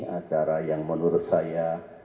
acara yang menurut saya